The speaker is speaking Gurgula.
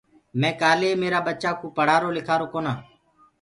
مي ڪآلي ميرآ ٻچآ ڪو پڙهآرو لکارو ڪونآ